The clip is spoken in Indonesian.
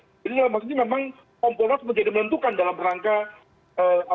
jadi dalam maksudnya memang kompolnas menjadi menentukan dalam rangka